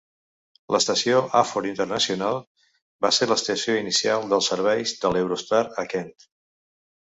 L'estació Ahford International va ser l'estació inicial dels serveis de l'Eurostar a Kent.